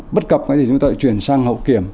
bất cập thì chúng ta lại chuyển sang hậu kiểm